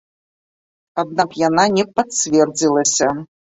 Аднак яна не пацвердзілася.